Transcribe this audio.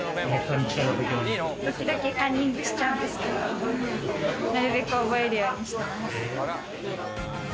時々カンニングしちゃうんですけれど、なるべく覚えるようにしてます。